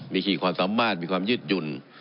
มีขี่ความสามารถมีความยืดหยุ่น